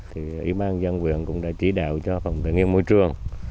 thì ủy ban dân quyền cũng đã chỉ đạo cho phòng tài nghiệm môi trường